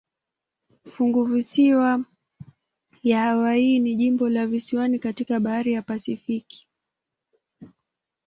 Funguvisiwa ya Hawaii ni jimbo la visiwani katika bahari ya Pasifiki.